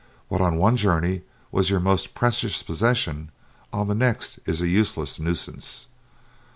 What on one journey was your most precious possession on the next is a useless nuisance.